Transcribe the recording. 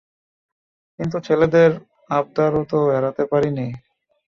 কিন্তু, ছেলেদের আবদারও তো এড়াতে পারি নে।